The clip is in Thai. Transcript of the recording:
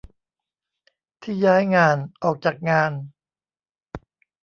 ที่ย้ายงาน ออกจากงาน